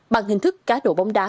bằng hình thức cá đổ bóng đá